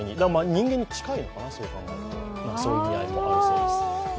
人間に近いのかなそう考えるとそういう意味合いもあるそうです。